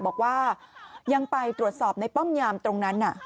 บอกว่ายังไปตรวจสอบในป้อมยามตรงนั้น